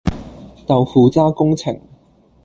豆腐渣工程